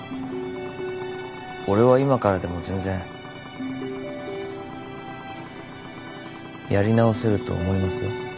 俺は今からでも全然やり直せると思いますよ。